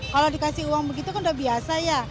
kalau dikasih uang begitu kan udah biasa ya